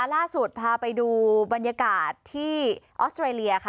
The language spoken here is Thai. ล่าสุดพาไปดูบรรยากาศที่ออสเตรเลียค่ะ